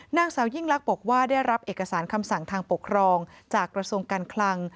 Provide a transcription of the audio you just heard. นางสาวยิ่งลักษณ์บอกว่าได้รับเอกสารคำสั่งทางปกครองจากกระทรวงการคลัง